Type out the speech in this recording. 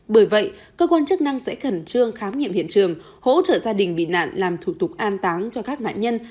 bởi vậy cơ quan chức năng sẽ khẩn trương khám nghiệm hiện trường hỗ trợ gia đình bị nạn làm thủ tục an táng cho các nạn nhân